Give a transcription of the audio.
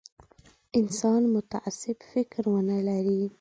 انسان متعصب فکر ونه لري.